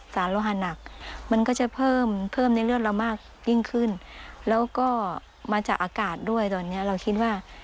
ชาวบ้านพาทีมข่าวไทยรัดทีวีชาวบ้านพาทีมข่าวไทยรัดทีวี